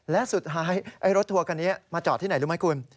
และสุดท้ายไอ้รถทัวร์คันนี้มาจอดที่ไหนรู้ไหมคุณ